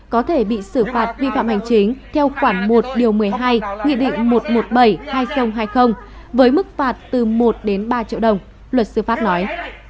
có thể bị xử phạt vi phạm hành chính theo khoản một một mươi hai một trăm một mươi bảy hai nghìn hai mươi với mức phạt từ một ba triệu đồng luật sư phát nói